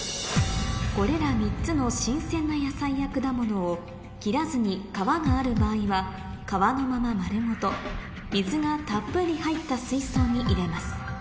これら３つの新鮮な野菜や果物を切らずに皮がある場合は皮のまま丸ごと水がたっぷり入った水槽に入れます